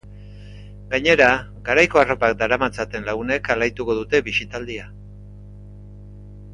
Gainera, garaiko arropak daramatzaten lagunek alaituko dute bisitaldia.